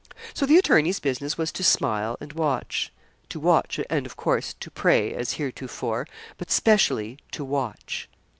So the attorney's business was to smile and watch to watch, and of course, to pray as heretofore but specially to watch.